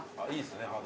いいですね